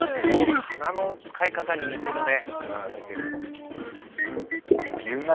ゾウの鼻の使い方に似てるね。